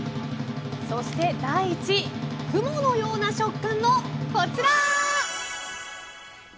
そして第１位雲のような食感のこちら。